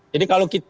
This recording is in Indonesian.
jadi kalau kita